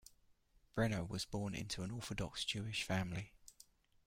Brenner was born into an Orthodox Jewish family.